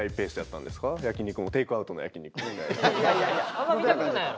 あんま見たことないやろ。